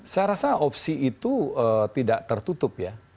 saya rasa opsi itu tidak tertutup ya